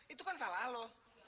itu kan salah lo